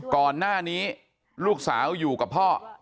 ก่อนหน้านี้ลูกสาวอยู่กับพ่อ